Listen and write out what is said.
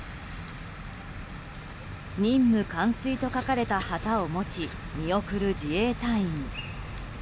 任務完遂と書かれた旗を持ち見送る自衛隊員。